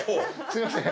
・すいません